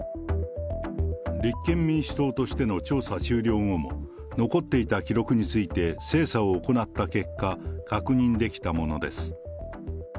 立憲民主党としての調査終了後も、残っていた記録について精査を行った結果、確認できたものです。